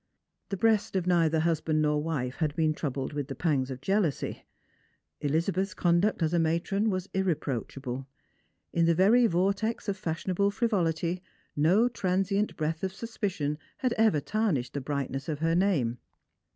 The breast of neither husband nor wife had been troubled with the pangs of jealousy. Elizabeth's conduct as a matron was irreproachable. In the very vortex of fashionable frivolity no transient breath of suspicion had ever tarnished the brightness of her name.